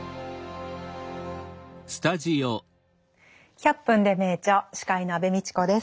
「１００分ｄｅ名著」司会の安部みちこです。